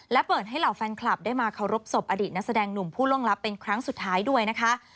และเปิดให้เหล่าแฟนคลับได้มาเคารพศพอดีตนักแสดงหนุ่มผู้ล่วงลับเป็นครั้งสุดท้ายด้วยนะคะ